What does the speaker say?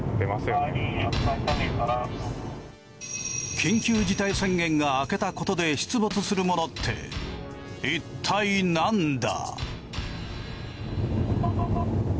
緊急事態宣言があけたことで出没するものっていったいなんだ？